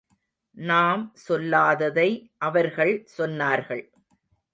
நாம் சொல்லாததை அவர்கள் சொன்னார்கள்.